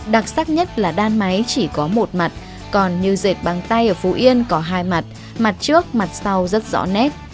đặc sắc nhất là đan máy chỉ có một mặt còn như dệt bằng tay ở phú yên có hai mặt mặt trước mặt sau rất rõ nét